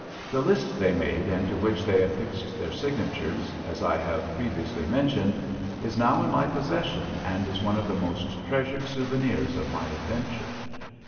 The list they made and to which they affixed their signatures, as I have previously mentioned, is now in my possession and is one of the most treasured souvenirs of my adventure.